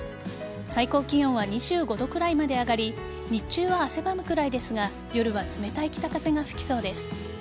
最高気温は２５度くらいまで上がり日中は汗ばむくらいですが夜は冷たい北風が吹きそうです。